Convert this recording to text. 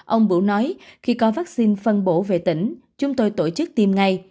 ông bữu nói khi có vaccine phân bổ về tỉnh chúng tôi tổ chức tiêm ngay